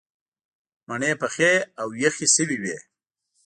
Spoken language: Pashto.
مڼې پخې او یخې شوې وې.